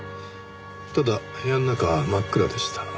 ただ部屋の中は真っ暗でした。